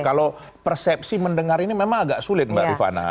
kalau persepsi mendengar ini memang agak sulit mbak rifana